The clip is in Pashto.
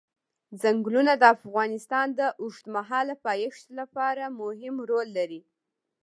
چنګلونه د افغانستان د اوږدمهاله پایښت لپاره مهم رول لري.